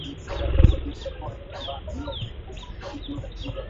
ukiwa umeanzishwa mwaka elfumbili na tatu